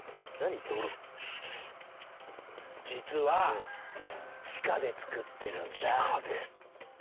実は地下で作ってるんだ。